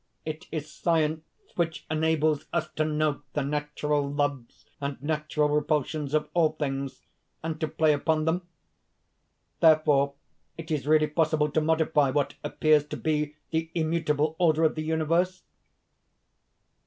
It is science which enables us to know the natural loves and natural repulsions of all things, and to play upon them?... Therefore, it is really possible to modify what appears to be the immutable order of the universe?"